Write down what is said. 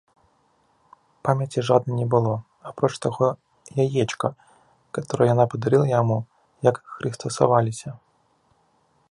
Памяці жаднай не было, апроч таго яечка, каторае яна падарыла яму, як хрыстосаваліся.